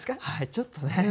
はいちょっとね。